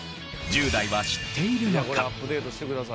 １０代は知っているのか？